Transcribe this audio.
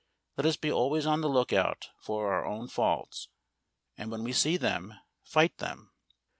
Let us be always on the look out for our own faults, and when we see them, fight them.